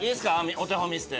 お手本見せて。